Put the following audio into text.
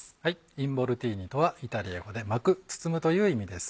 インボルティーニとはイタリア語で「巻く」「包む」という意味です。